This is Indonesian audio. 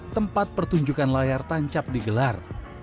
tempat pertunjukan layar tancap digelar